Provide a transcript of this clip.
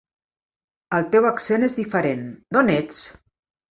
El teu accent és diferent, d'on ets?